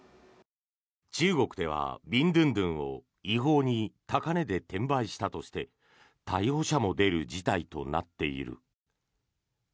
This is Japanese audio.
中国ではビンドゥンドゥンを違法に高値で転売したとして逮捕者も出る事態となっている。